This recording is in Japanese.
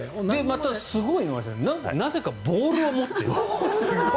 またすごいのはなぜかボールを持っている。